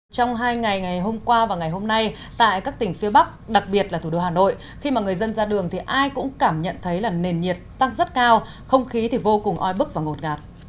trong hai ngày ngày hôm qua và ngày hôm nay tại các tỉnh phía bắc đặc biệt là thủ đô hà nội khi mà người dân ra đường thì ai cũng cảm nhận thấy là nền nhiệt tăng rất cao không khí thì vô cùng oi bức và ngột ngạt